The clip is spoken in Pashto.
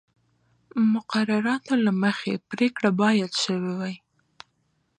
مقرراتو له مخې پرېکړه باید شوې وای.